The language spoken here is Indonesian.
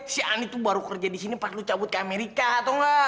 si ani tuh baru kerja disini pas lu cabut ke amerika tau gak